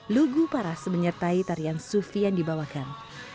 lugu paras menyertai tarian sufi yang dibawakan